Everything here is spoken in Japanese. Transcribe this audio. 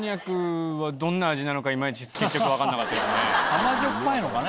甘じょっぱいのかね？